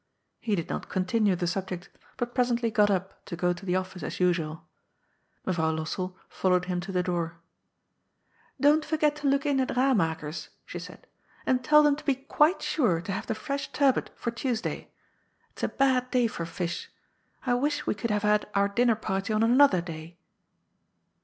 He did not continue the subject, but presently got up to go to the office as usual. Mevrouw Lossell followed him to the door. ^* Don't forget to look in at Bamaker's," she said, ^' and tell them to be quite sure to have the fresh turbot for Tuesday. It's a bad day for fish. I wish we could have had our dinner party on another day."